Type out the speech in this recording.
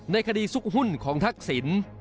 ในคดีสุขหุ้นของทักศิลป์